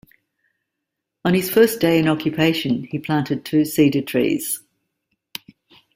On his first day in occupation, he planted two cedar trees.